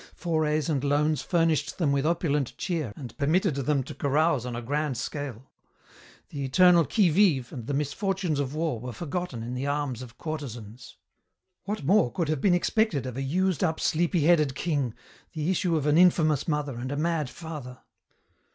Forays and loans furnished them with opulent cheer and permitted them to carouse on a grand scale. The eternal qui vive and the misfortunes of war were forgotten in the arms of courtesans. "What more could have been expected of a used up sleepy headed king, the issue of an infamous mother and a mad father?"